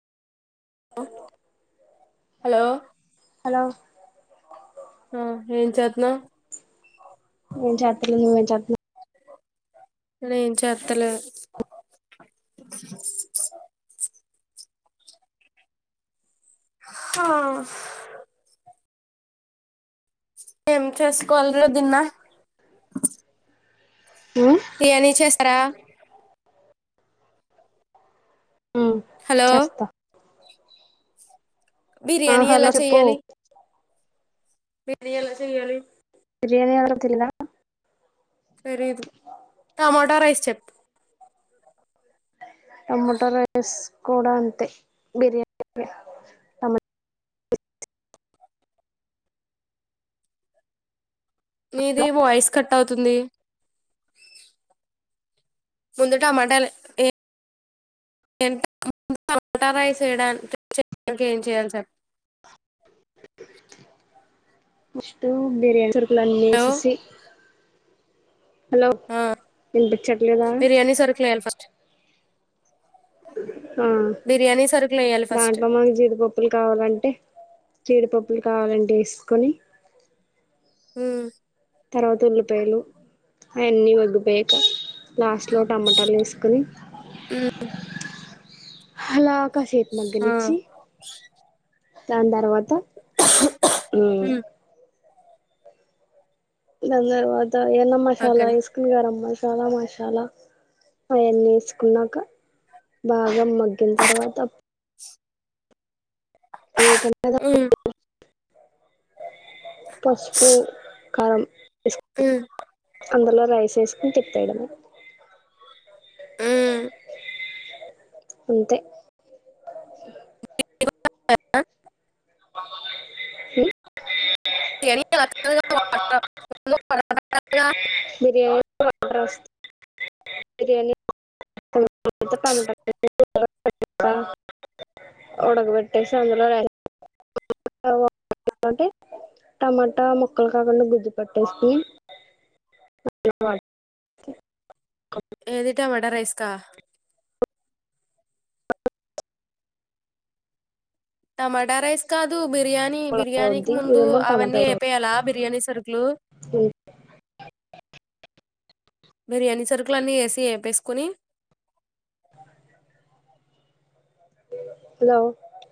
లో, hello hello ఆ ఏం చేత్నవ్? ఏం చాత్తలేను, నువ్వు ఎం చాత్నవ్? నేనేం చాత్తలేను. ఆ ఏం చేసుకోవాలరా దున్న? ఉమ్ బిర్యానీ చేస్ త్తరా? ఉమ్ హలో చేస్తా ఆ, బిర్యానీ హలో చెప్పు. బిర్యాన్ ఎలా చేయాలి? బిర్యానీ ఎలాగొ తెలియదా? తెలీదు, టమాటా రైస్ చెప్పు? టమాట రైస్ కూడా అంతే, బిర్యానీలా. టమా మీది వాయిస్ కట్ అవుతుంది? ఫస్టూ బిర్యానీ సరుకలన్నీ హలో ఏసేసి ఆ వినిపించట్లేదా? బిర్యానీ సరుకులు వేయాలి ఫస్ట్ ఆ, బిర్యానీ సరుకులు వేయాలి ఫస్ట్ దాంట్లో మనక్ జీడిపప్పులు కావాలంటే? జీడిపప్పులు కావాలంటే ఏసుకొని ఉమ్ తర్వాత ఉల్లిపాయలు, అయన్నీ ఒడ్డుపోయాక లాస్ట్ లో టమాటాలు వేసుకుని హలో అక్ కసేపు ఆ మగ్గనిచ్చి, దాని తర్వాత ఉమ్ దాని తరువాత ఎల్లం మసాల అక్కన్ వేసుకొని గరంమసాలా రవ్వ మసాలా ఆయన్ని వేసుకున్నాక బాగా మగ్గిన తర్వాత ఉ [unintelligible] పసుపు, కారం ఎస్ ఉ అందలో రైస్ ఏసుకుని తిప్పేయ్యడమే. ఆ అంతే. ఆ [unintelligible] [unintelligible] అర్ బిర్యానీ ఆర్డర్ వస్తా బిర్యానీటా ఉడగబెట్టేసి అందులోంట టమాటా ముొక్కలు కాకుండా గుజ్జు పట్టేసి [unintelligible] ఏది వడ రైస్ కా టమాటా రైస్ కాదు బిర్యానీ బిర్యానీకి ఉడకవద్ది ముందు ఇదేమో అవన్నీ టమాటా అయిపోయాలా బిర్యానీ సరుకులు బిర్యానీ సరుకులన్నీ ఎసి ఎపేసుకొని హలో